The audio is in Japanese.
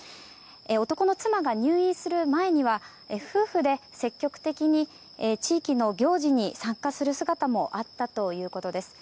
男の妻が入院する前には夫婦で積極的に地域の行事に参加する姿もあったということです。